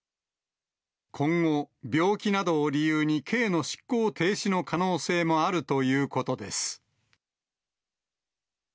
今後、病気などを理由に、刑の執行停止の可能性もあるということです。